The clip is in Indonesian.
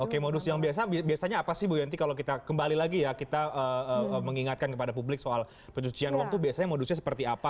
oke modus yang biasa biasanya apa sih bu yanti kalau kita kembali lagi ya kita mengingatkan kepada publik soal pencucian uang itu biasanya modusnya seperti apa